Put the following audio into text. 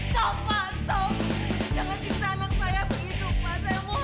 sekarang kamu bikin papa kita kabur